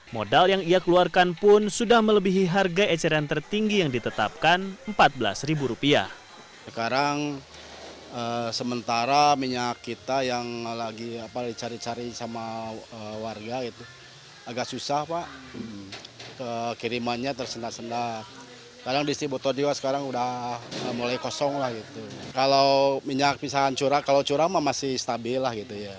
modal yang ia keluarkan pun sudah melebihi harga eceran tertinggi yang ditetapkan empat belas ribu rupiah